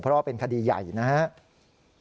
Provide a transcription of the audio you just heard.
เพราะว่าเป็นคดีใหญ่นะครับ